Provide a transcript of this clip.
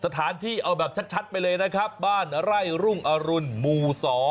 สถานที่เอาแบบชัดไปเลยนะครับบ้านไร่รุ่งอรุณหมู่๒